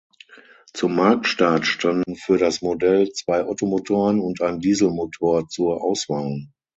Zum Marktstart standen für das Modell zwei Ottomotoren und ein Dieselmotor zur Auswahl.